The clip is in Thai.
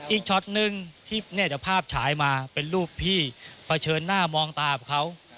อีกช็อตหนึ่งที่เนี้ยจะภาพฉายมาเป็นรูปพี่เผชิญหน้ามองตาครับเขา